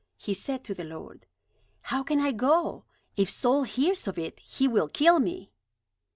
He said to the Lord: "How can I go? If Saul hears of it, he will kill me."